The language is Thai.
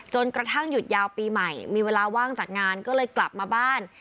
จนกระทั่งหยุดยาวปีใหม่มีเวลาว่างจากงานก็เลยกลับมาบ้าน